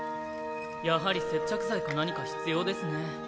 やはり接着剤か何か必要ですね。